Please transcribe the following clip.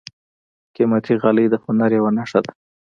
قیمتي غالۍ د هنر یوه نښه ده.